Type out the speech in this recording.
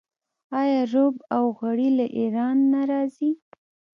آیا رب او غوړي له ایران نه راځي؟